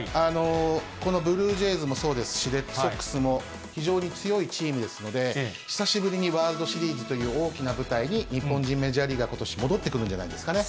このブルージェイズもそうですし、レッドソックスも非常に強いチームですので、久しぶりにワールドシリーズという大きな舞台に、日本人メジャーリーガー、ことし戻ってくるんじゃないですかね。